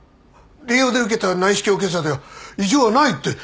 麗洋で受けた内視鏡検査では異常はないって。